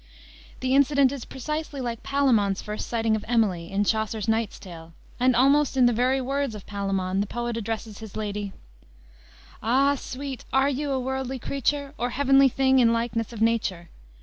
The incident is precisely like Palamon's first sight of Emily in Chaucer's Knight's Tale, and almost in the very words of Palamon, the poet addresses his lady: "Ah, sweet, are ye a worldly crëature Or heavenly thing in likeness of natúre?